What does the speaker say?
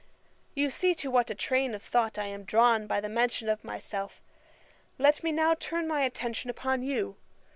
'You see to what a train of thought I am drawn by the mention of myself. Let me now turn my attention upon you.